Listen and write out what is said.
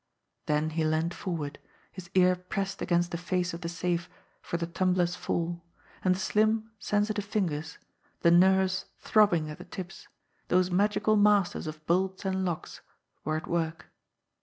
Then he leaned forward, his ear pressed against the face of the safe for the tumblers' fall, and the slim, sensitive fingers, the nerves throbbing at the tips, those magical masters of bolts and locks, were at work.